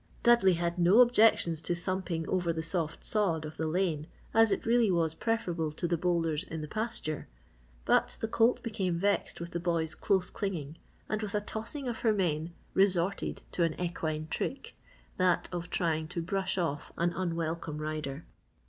Dudley had no objections to thumping over the soft sod of the lane as it really was preferable to the boulders in the pasture. But the colt became vexed with the boy's close clinging and with a tossing of her mane resorted to an equine trick that of trying to brush off an unwelcome rider.